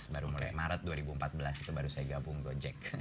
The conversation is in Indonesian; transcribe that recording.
dua ribu empat belas baru mulai maret dua ribu empat belas itu baru saya gabung gojek